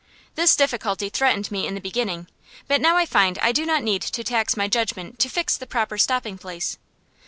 This difficulty threatened me in the beginning, but now I find I do not need to tax my judgment to fix the proper stopping place.